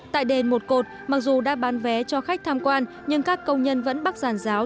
tại đền một cột mặc dù đã bán vé cho khách tham quan nhưng các công nhân vẫn bắt giàn giáo